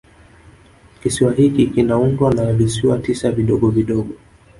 Kisiwa hiki kinaundwa na visiwa tisa vidogo vidogo